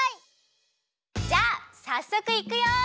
じゃあさっそくいくよ！